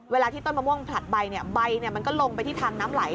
ที่ต้นมะม่วงผลัดใบใบมันก็ลงไปที่ทางน้ำไหล